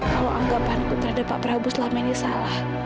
kalau anggapanku terhadap pak prabowo selama ini salah